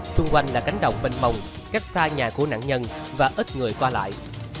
xung quanh là cánh đồng bên mồng cách xa nhà của nạn nhân và ít người qua lại